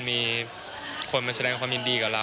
มีคนมาแสดงความยินดีกับเรา